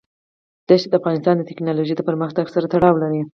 دښتې د افغانستان د تکنالوژۍ د پرمختګ سره تړاو لري.